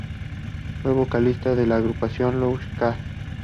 Fue vocalista de la agrupación Lou Kass.